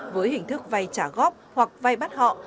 với hình thức vay trả góp hoặc vay bắt họ